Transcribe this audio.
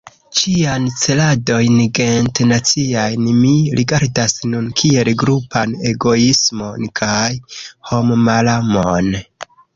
Ĉiajn celadojn gente-naciajn mi rigardas nur kiel grupan egoismon kaj hommalamon.